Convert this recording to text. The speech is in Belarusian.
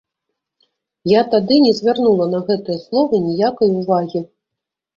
Я тады не звярнула на гэтыя словы ніякай увагі.